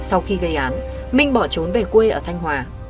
sau khi gây án minh bỏ trốn về quê ở thanh hóa